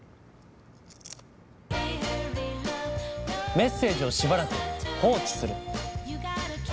メッセージをしばらく放置する。